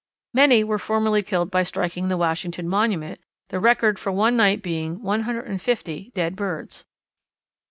Many were formerly killed by striking the Washington Monument, the record for one night being one hundred and fifty dead birds.